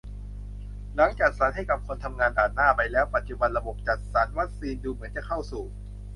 หลังจัดสรรให้กับคนทำงานด่านหน้าไปแล้ว ปัจจุบันระบบจัดสรรวัคซีนดูเหมือนจะเข้าสู่